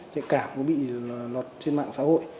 trẻ cảm bị lọt trên mạng xã hội